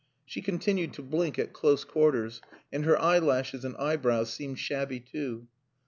She continued to blink at close quarters, and her eyelashes and eyebrows seemed shabby too.